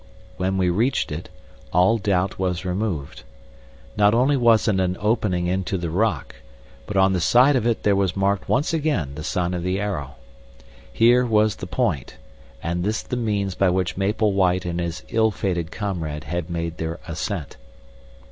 When we reached it, all doubt was removed. Not only was it an opening into the rock, but on the side of it there was marked once again the sign of the arrow. Here was the point, and this the means by which Maple White and his ill fated comrade had made their ascent.